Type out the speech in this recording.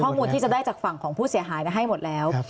ข้อมูลที่จะได้จากฝั่งของผู้เสียหายให้หมดแล้ว